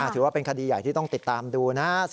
ถือว่าเป็นคดีใหญ่ที่ต้องติดตามดูนะ